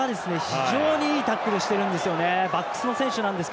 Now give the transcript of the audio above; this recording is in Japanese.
非常にいいタックルしてるんですよね。